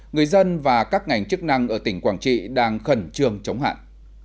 người dân và các ngành chức năng ở tỉnh quảng trị đang khẩn trương chống hạn